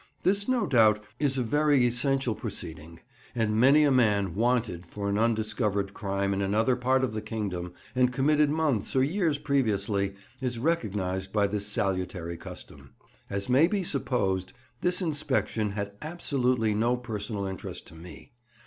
This, no doubt, is a very essential proceeding, and many a man "wanted" for an undiscovered crime in another part of the kingdom, and committed months or years previously, is recognized by this salutary custom. As may be supposed, this inspection had absolutely no personal interest to me.